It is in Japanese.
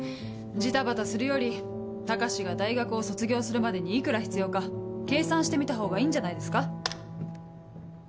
ジタバタするより高志が大学を卒業するまでに幾ら必要か計算してみたほうがいいんじゃないですか。